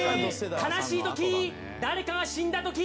「悲しいとき誰かが死んだとき」